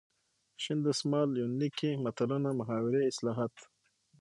شین دسمال یونلیک کې متلونه ،محاورې، اصطلاحات .